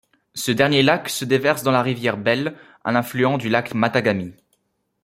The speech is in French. Ce dernier lac se déverse dans la rivière Bell, un affluent du lac Matagami.